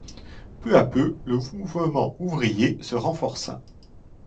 Peu à peu, le mouvement ouvrier se renforça.